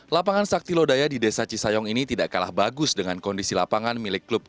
lapangan sakti lodaya di desa cisayong ini tidak kalah bagus dengan kondisi lapangan milik klub